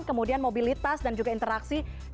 kemudian mobilitas dan juga interaksi